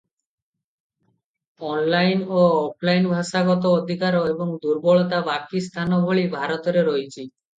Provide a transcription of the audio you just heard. Online ଓ offline ଭାଷାଗତ ଅଧିକାର ଏବଂ ଦୁର୍ବଳତା ବାକି ସ୍ଥାନ ଭଳି ଭାରତରେ ରହିଛି ।